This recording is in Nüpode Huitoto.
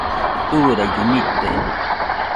Turaillu nite